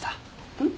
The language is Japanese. うん？